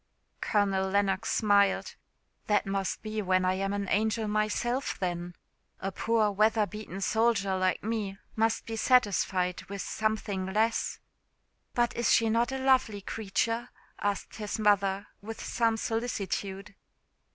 Colonel Lennox smiled "That must be when I am an angel myself then. A poor weather beaten soldier like me must be satisfied with something less." "But is she not a lovely creature?" asked his mother, with some solicitude.